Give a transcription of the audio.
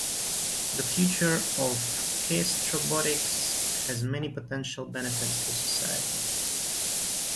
The future of gastrobotics has many potential benefits to society.